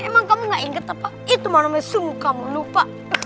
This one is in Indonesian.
emang kamu gak inget apa itu namanya sungguh kamu lupa